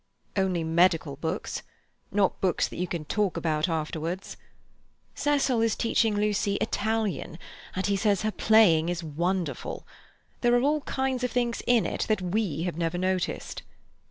"Only medical books. Not books that you can talk about afterwards. Cecil is teaching Lucy Italian, and he says her playing is wonderful. There are all kinds of things in it that we have never noticed.